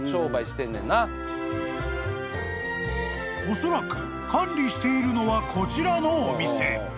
［おそらく管理しているのはこちらのお店］